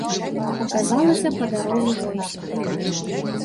Паказалася па дарозе войска.